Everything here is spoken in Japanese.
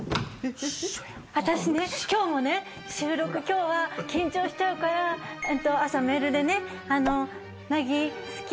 私ね今日もね収録今日は緊張しちゃうから朝メールでね。